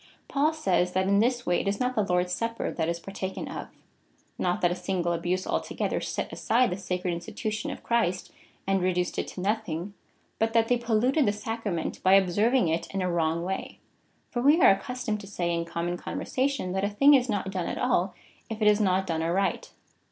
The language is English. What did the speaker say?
Paul says, that in this way it is not the Lord's supper that is partaken of — not that a single abuse altogether set aside the sacred institution of Christ, and reduced it to nothing, but that they polluted the sacrament by observing it in a Avrong way. For we are accustomed to say, in common conversation, that a thing is not done at all, if it is not done aright.